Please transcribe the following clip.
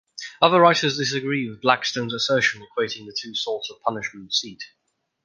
Other writers disagree with Blackstone's assertion equating the two sorts of punishment seat.